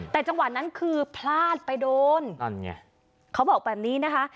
แต่จังหวะนั้นคือพลาดไปโดนนั่นไงเขาบอกแบบนี้นะคะ